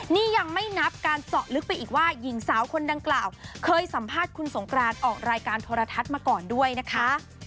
นี่ยังไม่นับการเจาะลึกไปอีกว่าหญิงสาวคนดังกล่าวเคยสัมภาษณ์คุณสงกรานออกรายการโทรทัศน์มาก่อนด้วยนะคะ